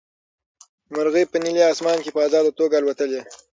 مرغۍ په نیلي اسمان کې په ازاده توګه الوتلې.